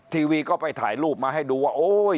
ทีวีก็ไปถ่ายรูปมาให้ดูว่าโอ๊ย